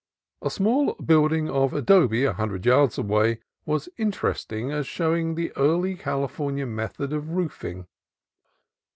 A small building of adobe, a hundred yards away, was inter ANTS AND COYOTES 185 esting as showing the early California method of roofing.